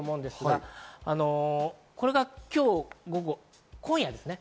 これが今日午後、今夜です。